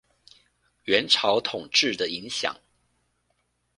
元朝統治的影響